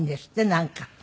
なんか。